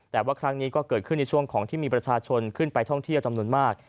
แต่ว่าครั้งนี้ก็เกิดขึ้นในช่วงของที่มีประชาชนขึ้นไปท่องเที่ยวจำนวนมาก